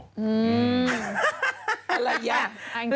อะไรอย่างนี้